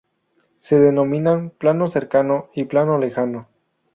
Se denominan "plano cercano" y "plano lejano.